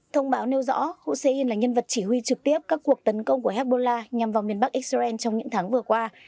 thông báo nêu rõ hussein là nhân vật chỉ huy trực tiếp các cuộc tấn công của hebbola nhằm vào miền bắc israel trong những tháng vừa qua